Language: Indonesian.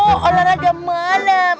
oh olahraga malam